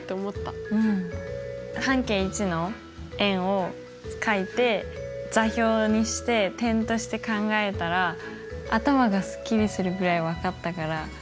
半径１の円をかいて座標にして点として考えたら頭がすっきりするぐらい分かったから楽しかった。